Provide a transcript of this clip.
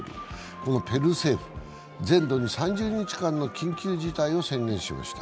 このペルー政府全土に３０日間の緊急事態を宣言しました。